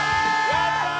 やったー！